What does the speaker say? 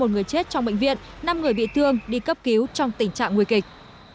một người chết trong bệnh viện năm người bị thương đi cấp cứu trong tình trạng nguy kịch